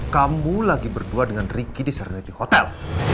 kamu lagi berdua dengan riki di serenity hotel